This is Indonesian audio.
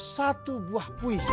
satu buah puisi